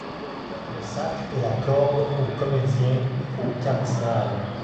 Le sac et la corde aux comédiens et au cardinal!